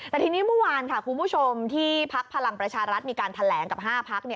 แต่ทีนี้เมื่อวานค่ะคุณผู้ชมที่พักพลังประชารัฐมีการแถลงกับ๕พัก